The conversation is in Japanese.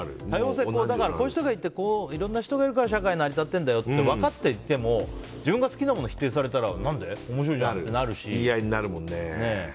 こういう人がいていろいろな人がいるから社会は成り立ってるんだよって分かってても自分が好きなものを否定されたら何で面白いじゃん？ってなるし。